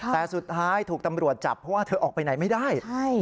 แต่สุดท้ายถูกตำรวจจับเพราะว่าเธอออกไปไหนไม่ได้